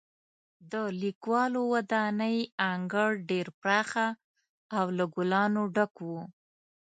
د لیکوالو ودانۍ انګړ ډېر پراخه او له ګلابو ډک و.